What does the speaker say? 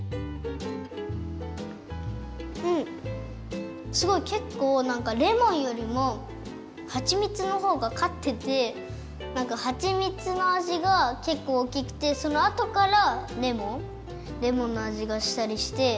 うんすごいけっこうレモンよりもはちみつのほうがかっててなんかはちみつの味がけっこうおおきくてそのあとからレモンの味がしたりしてすごいおいしいです！